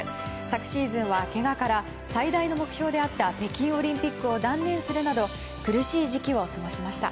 昨シーズンはけがから、最大の目標であった北京オリンピックを断念するなど苦しい時期を過ごしました。